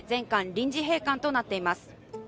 臨時閉館となっています。